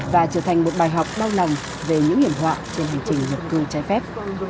và trở thành một bài học bao nằm về những hiểm họa trên hành trình nhập cư trái phép